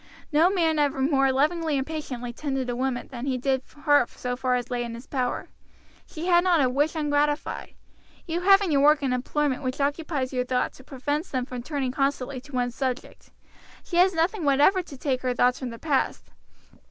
No man ever more lovingly and patiently tended a woman than he did her so far as lay in his power. She had not a wish ungratified. You have in your work an employment which occupies your thoughts and prevents them from turning constantly to one subject; she has nothing whatever to take her thoughts from the past.